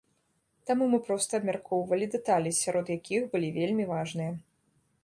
Таму мы проста абмяркоўвалі дэталі, сярод якіх былі вельмі важныя.